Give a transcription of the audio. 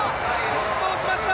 転倒しました！